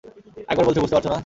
একবার বলছি বুঝতে পারছ না?